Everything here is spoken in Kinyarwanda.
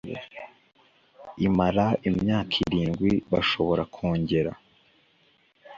imara imyaka irindwi bashobora kongera